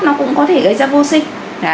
nó cũng có thể gây ra vô sinh